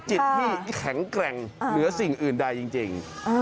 จิตที่แข็งแกร่งเหนือสิ่งอื่นใดจริง